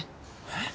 えっ？